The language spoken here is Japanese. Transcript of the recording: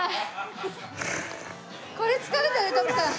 これ疲れたね徳さん。